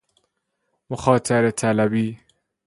مخاطره طلبی